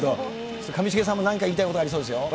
上重さんもなんか言いたいこと、ありそうですよ。